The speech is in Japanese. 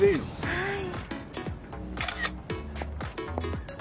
はい。